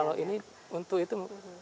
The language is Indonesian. kalau ini untuk itu